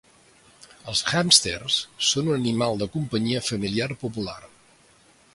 Els hàmsters són un animal de companyia familiar popular.